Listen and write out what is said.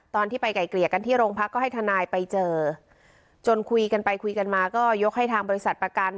ตอนที่ไปไก่เกลี่ยกันที่โรงพักก็ให้ทนายไปเจอจนคุยกันไปคุยกันมาก็ยกให้ทางบริษัทประกัน